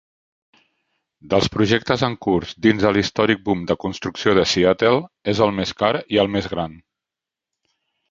Dels projectes en curs dins de l'històric boom de construcció de Seattle, és el més car i el més gran.